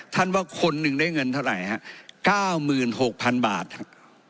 ท่านว่าคนหนึ่งได้เงินเท่าไรฮะนะคะว์หมื่นหกพันบาทฮะ